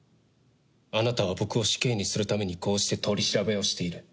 あなたは僕を死刑にするためにこうして取り調べをしている。